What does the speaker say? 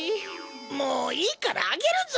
もういいからあげるぞ！